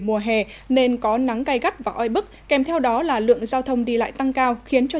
mùa hè nên có nắng gai gắt và oi bức kèm theo đó là lượng giao thông đi lại tăng cao khiến cho